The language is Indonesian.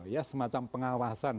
ya semacam pengawasan